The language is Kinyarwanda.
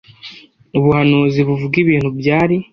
ubuhanuzi buvuga ibintu byari